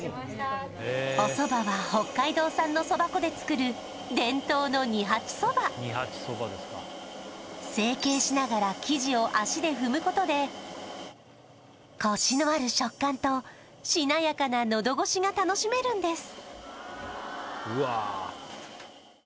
おそばは北海道産のそば粉で作る伝統の二八そば成形しながら生地を足で踏むことでコシのある食感としなやかな喉越しが楽しめるんです